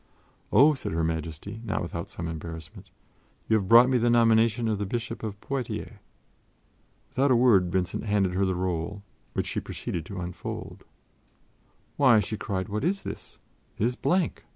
"Oh," said Her Majesty, not without some embarrassment, "you have brought me the nomination of the Bishop of Poitiers." Without a word, Vincent handed her the roll, which she proceeded to unfold. "Why," she cried, "what is this? It is blank!